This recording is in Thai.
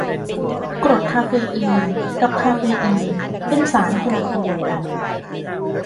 กรดคาเฟอิก กับคาเฟอีน เป็นสารคนละตัวกัน